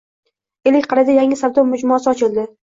Ellikqal’ada yangi savdo majmuasi ochildi